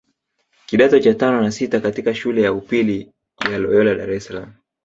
kidato cha tano na sita katika shule ya upili ya Loyola Dar es Salaam